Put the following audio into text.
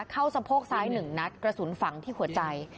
สะโพกซ้าย๑นัดกระสุนฝังที่หัวใจ